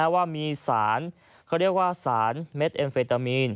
ว่ามีสารเขาเรียกว่าสารเม็ดเอ็มเฟตามีน